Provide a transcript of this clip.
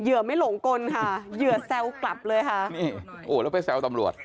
ไม่หลงกลค่ะเหยื่อแซวกลับเลยค่ะนี่โอ้แล้วไปแซวตำรวจ